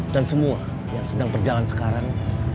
dan semua yang sedang berjalan sekarang